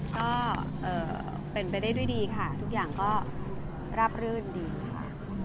ก็เป็นไปได้ด้วยดีค่ะทุกอย่างก็ราบรื่นดีค่ะ